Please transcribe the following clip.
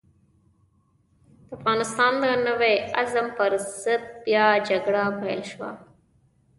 د افغانستان د نوي عزم پر ضد بيا جګړه پيل شوه.